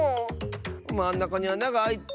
まんなかにあながあいてるよね。